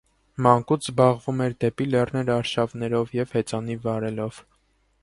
Մանկուց զբաղվում էր դեպի լեռներ արշավներով և հեծանիվ վարելով։